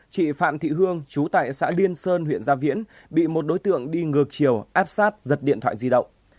chị phạm thị hương chú tại xã liên sơn huyện gia viễn bị một đối tượng đi ngược chiều áp sát giật điện thoại di động